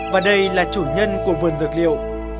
và đây là chủ nhân của vườn dược liệu